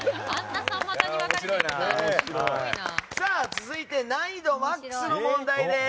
続いて難易度マックスの問題です。